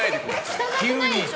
急に。